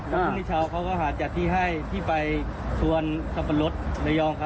แล้วพรุ่งนี้เช้าเขาก็หาจัดที่ให้ที่ไปสวนสับปะรดระยองครับ